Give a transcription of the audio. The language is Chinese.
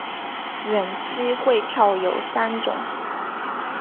远期汇票有三种。